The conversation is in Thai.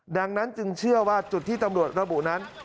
ดังนั้นจึงเชื่อว่าจุดที่ตำรวจระบุนั้น